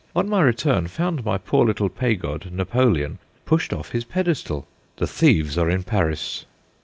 On my return, found my poor little pagod, Napo leon, pushed off his pedestal ; the thieves are in Paris.'